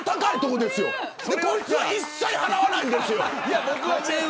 こいつは一切払わないんですよ。